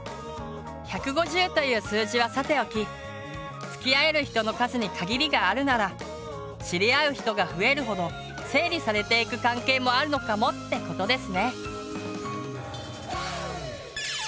１５０という数字はさておきつきあえる人の数に限りがあるなら知り合う人が増えるほど整理されていく関係もあるのかもってことですね。